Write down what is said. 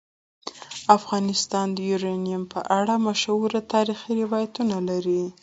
افغانستان د یورانیم په اړه مشهور تاریخی روایتونه لري.